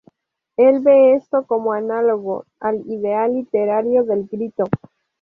Él ve esto como análogo "al ideal literario del 'grito'".